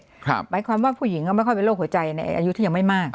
หมายความว่าผู้หญิงก็ไม่ค่อยเป็นโรคหัวใจในอายุที่ยังไม่มาก